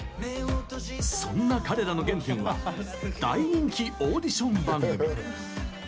そんな彼らの原点は大人気オーディション番組。